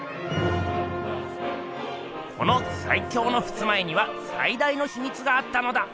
このさい強のふすま絵にはさい大のひみつがあったのだ！